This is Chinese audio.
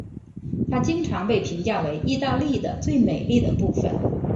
它经常被评价为意大利的最美丽的部分。